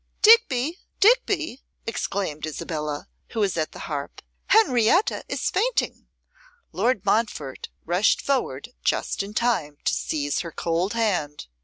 'Digby, Digby!' exclaimed Isabella, who was at the harp, 'Henrietta is fainting.' Lord Montfort rushed forward just in time to seize her cold hand.